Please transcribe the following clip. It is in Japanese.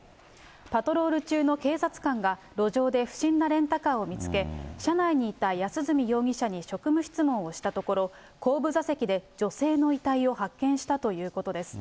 パトロール中の警察官が路上で不審なレンタカーを見つけ、車内にいた安栖容疑者に職務質問をしたところ、後部座席で女性の遺体を発見したということです。